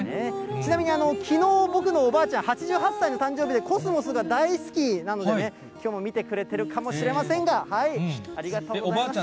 ちなみにきのう、僕のおばあちゃん、８８歳の誕生日で、コスモスが大好きなのでね、きょうも見てくれてるかもしれませんが、ありがとうございます。